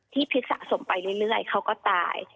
พิษสะสมไปเรื่อยเขาก็ตาย